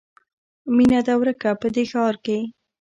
میینه ده ورکه په دغه ښار کې